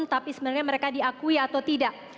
tapi sebenarnya mereka diakui atau tidak